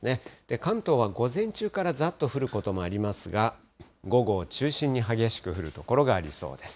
関東は午前中からざっと降ることもありますが、午後を中心に激しく降る所がありそうです。